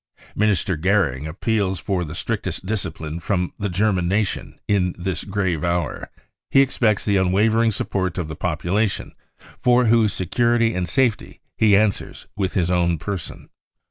Minister Goering appeals for the strictest discipline from the German nation in this grave hour. He expects the unwavering support of the population, for whose security and safety he answers with his own person.